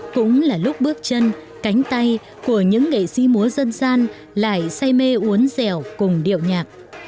cũng là lúc bước chân cánh tay của những nghệ sĩ múa dân gian lại say mê uốn dẻo cùng điệu nhạc